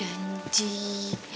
mereka pasti udah janji